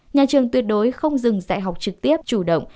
nhà trường tuyệt đối không dừng dạy học trực tiếp chủ động